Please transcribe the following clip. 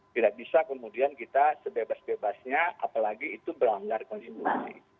tidak bisa kemudian kita sebebas bebasnya apalagi itu melanggar konstitusi